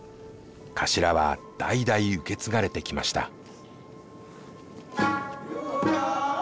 頭は代々受け継がれてきました。